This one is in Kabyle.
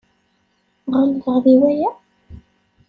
Ɣelḍeɣ deg waya?